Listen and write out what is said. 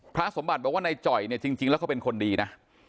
พระสมบัติบอกว่านายจ่อยเนี่ยจริงแล้วเขาเป็นคนดีนะ